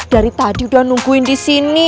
dari tadi udah nungguin disini